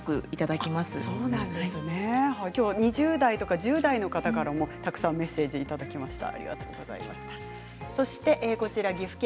きょうは２０代、１０代の方からもたくさんメッセージをいただきました。